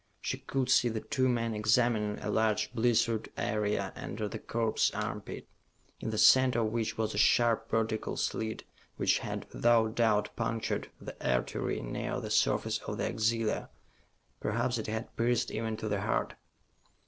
She could see the two men examining a large blistered area under the corpse's armpit, in the center of which was a sharp vertical slit which had without doubt punctured the artery near the surface of the axilla. Perhaps it had pierced even to the heart.